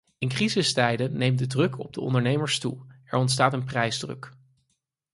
In crisistijden neemt de druk op de ondernemers toe, er ontstaat een prijsdruk.